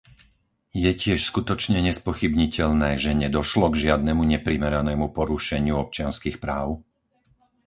Je tiež skutočne nespochybniteľné, že nedošlo k žiadnemu neprimeranému porušeniu občianskych práv?